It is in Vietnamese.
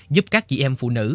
giúp các chị em phụ nữ